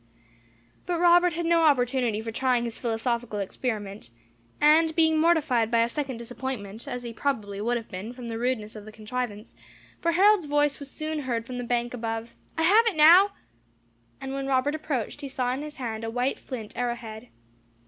But Robert had no opportunity for trying his philosophical experiment, and being mortified by a second disappointment, as he probably would have been, from the rudeness of the contrivance; for Harold's voice was soon heard from the bank above, "I have it now!" and when Robert approached he saw in his hand a white flint arrowhead.